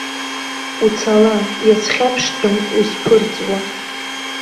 Уцала, иазхьаԥштәым узԥырҵуа.